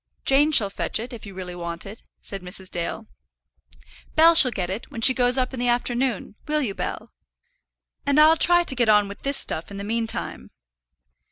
"Jane shall fetch it, if you really want it," said Mrs. Dale. "Bell shall get it, when she goes up in the afternoon; will you, Bell? And I'll try to get on with this stuff in the meantime."